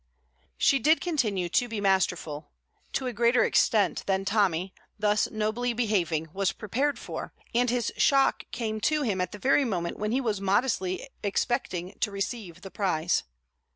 She did continue to be masterful to a greater extent than Tommy, thus nobly behaving, was prepared for; and his shock came to him at the very moment when he was modestly expecting to receive the prize.